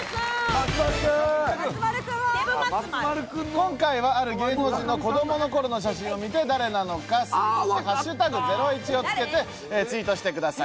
今回は、ある芸能人の子供の頃の写真を見て、誰なのか推理して「＃ゼロイチ」をつけてツイートしてください。